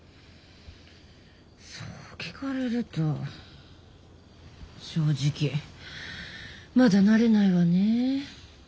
そう聞かれると正直まだ慣れないわねぇ。